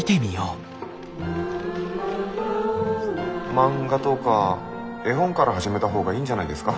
漫画とか絵本から始めた方がいいんじゃないですか？